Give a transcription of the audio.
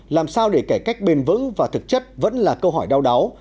làm sao để cải cách bền vững và thực chất vẫn là câu hỏi đau đáu